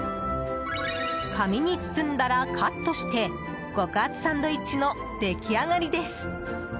紙に包んだらカットして極厚サンドイッチの出来上がりです。